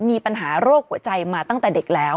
มีปัญหาโรคหัวใจมาตั้งแต่เด็กแล้ว